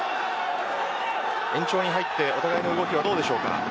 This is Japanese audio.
延長に入ってお互いの動きはどうですか。